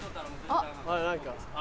あら何か。